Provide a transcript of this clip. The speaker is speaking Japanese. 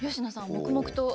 黙々と。